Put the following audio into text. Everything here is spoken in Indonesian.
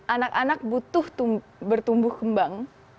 anak anak butuh bertumbuh kembang